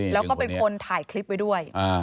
แล้วก็เป็นคนถ่ายคลิปไว้ด้วย